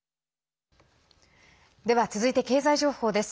では、続いて経済情報です。